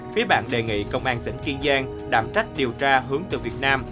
phía bạn đề nghị công an tỉnh kiên giang đảm trách điều tra hướng từ việt nam